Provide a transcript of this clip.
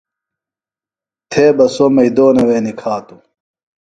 تھے بہ سوۡ مئیدونہ وے تھےۡ نِکھاتوۡ